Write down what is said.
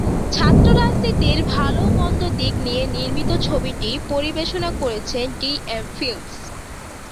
ছাত্র রাজনীতির ভালো-মন্দ দিক নিয়ে নির্মিত ছবিটি পরিবেশনা করেছে ডি এম ফিল্মস।